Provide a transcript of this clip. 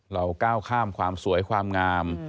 เราก้าวข้ามความสวยความงาม